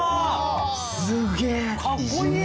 すげえ。